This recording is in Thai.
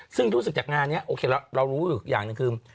ซึ่งรู้สึกจากงานนี้โอเคแล้วเรารู้อยู่อย่างหนึ่งคือ